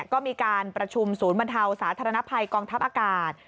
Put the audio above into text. ก็มีการประชุมศูนย์บรรเทาสาธารณภัยกองทัพอากาศ